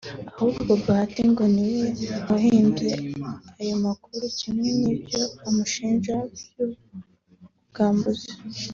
ahubwo Bahati ngo ni we wahimbye ayo makuru kimwe n'ibyo amushinja by'ubwambuzi